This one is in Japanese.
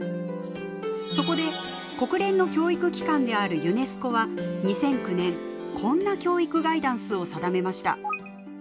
そこで国連の教育機関であるユネスコは２００９年こんな教育ガイダンスを定めました。